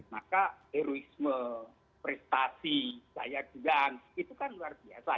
maka heroisme prestasi daya gudang itu kan luar biasa